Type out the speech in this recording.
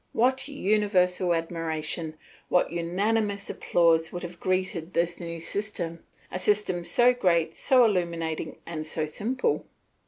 What universal admiration, what unanimous applause would have greeted this new system a system so great, so illuminating, and so simple.